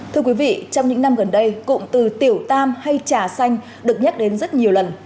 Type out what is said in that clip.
thưa quý vị trong những năm gần đây cụm từ tiểu tam hay trà xanh được nhắc đến rất nhiều lần